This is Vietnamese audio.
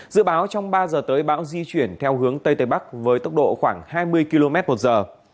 dự báo trong ba giờ tới bão di chuyển theo hướng tây tây bắc với tốc độ khoảng hai mươi km một giờ